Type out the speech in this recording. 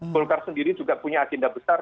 golkar sendiri juga punya agenda besar